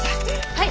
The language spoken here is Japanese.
はい。